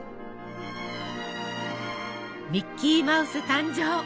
ミッキーマウス誕生！